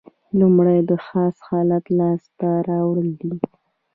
لومړی د خاص حالت لاس ته راوړل دي.